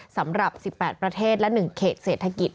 สำหรับ๑๘ประเทศและ๑เขตเศรษฐกิจ